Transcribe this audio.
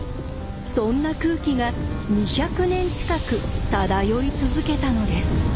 そんな空気が２００年近く漂い続けたのです。